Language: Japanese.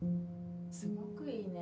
すごくいいね